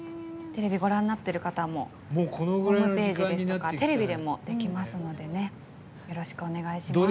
テレビをご覧になっている方もホームページですとかテレビでもできますのでよろしくお願いします。